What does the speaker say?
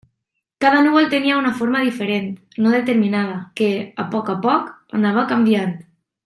Cada núvol tenia una forma diferent, no determinada, que, a poc a poc, anava canviant.